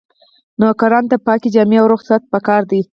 نوکرانو ته پاکې جامې او روغ صورت پکار دی.